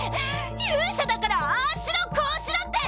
勇者だからああしろこうしろって。